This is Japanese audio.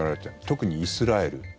特にイスラエル。